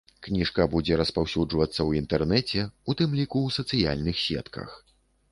Кніжка будзе распаўсюджвацца ў інтэрнэце, у тым ліку ў сацыяльных сетках.